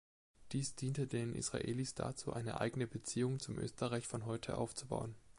Dies diente den Israelis dazu, eine eigene Beziehung zum Österreich von heute aufzubauen.